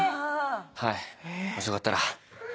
もしよかったら。